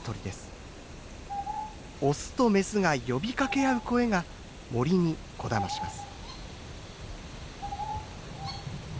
オスとメスが呼びかけ合う声が森にこだまします。